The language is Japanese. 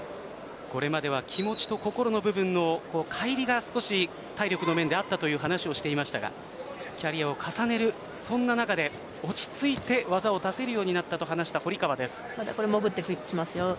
これまでは気持ちと心の部分の乖離が少し体力の面であったという話をしていましたがキャリアを重ねる、そんな中で落ち着いて技を出せるようになったと潜ってきますよ。